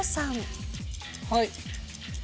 はい。